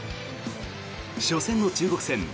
初戦の中国戦